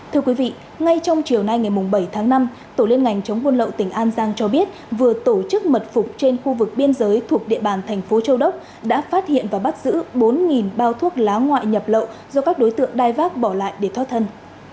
thưa quý vị ngay trong chiều nay ngày bảy tháng năm tổ liên ngành chống buôn lậu tỉnh an giang cho biết vừa tổ chức mật phục trên khu vực biên giới thuộc địa bàn thành phố châu đốc đã phát hiện và bắt giữ bốn bao thuốc lá ngoại nhập lậu do các đối tượng đai vác bỏ lại để thoát thân